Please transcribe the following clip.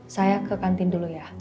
saya ke kantin dulu ya